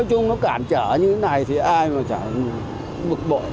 nói chung nó cản trở như thế này thì ai mà chẳng bực bội